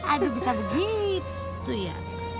aduh bisa begitu ya